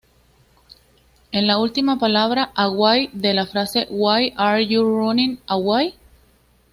En la última palabra "away" de la frase "why are you running away?